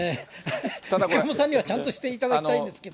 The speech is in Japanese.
三鴨さんにはちゃんとしていただきたいんですけど。